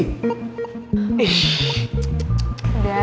udah biarin aja